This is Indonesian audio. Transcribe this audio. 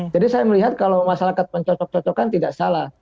jadi saya melihat kalau masyarakat mencocok cocokkan tidak salah